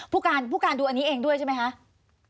ผู้การดูอันนี้เองด้วยใช่ไหมคะ